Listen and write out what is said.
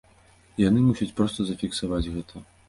І яны мусяць проста зафіксаваць гэта.